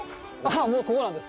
もうここなんです。